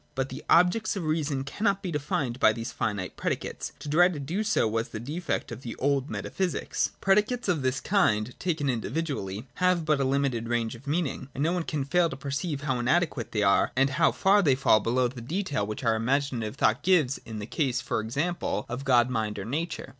But the objects of reason cannot be defined by these finite predicates. To try to do so was the defect of the old metaphysic. 29.J Predicates of this kind, taken individually, have but a limited range of meaning, and no one can fail to perceive how inadequate they are, and how far they fall below the fulness of detail which our imaginative thought gives, in the case, for example, of God, Mind, or Nature.